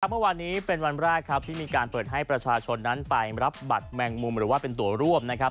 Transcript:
เมื่อวานนี้เป็นวันแรกครับที่มีการเปิดให้ประชาชนนั้นไปรับบัตรแมงมุมหรือว่าเป็นตัวร่วมนะครับ